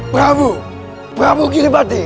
prabu prabu kiripati